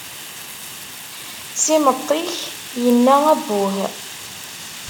S imeṭṭi-ik yenna abbuh.